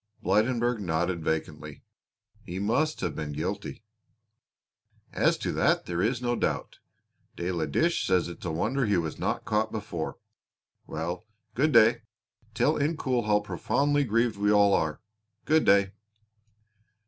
Blydenburg nodded vacantly. "He must have been guilty." "As to that there is no doubt. De la Dèche says it is a wonder he was not caught before. Well, good day; tell Incoul how profoundly grieved we all are. Good day."